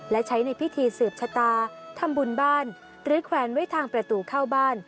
และใช้ในพิธีสืบชะตาทำบุญบ้านหรือแขวนไว้ทางประตูเข้าบ้าน